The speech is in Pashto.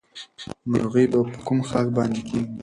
مرغۍ به په کوم ښاخ باندې کېني؟